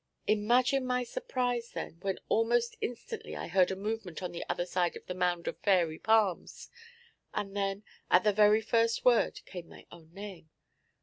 Imagine my surprise, then, when almost instantly I heard a movement on the other side of the mound of fairy palms, and then at the very first word came my own name.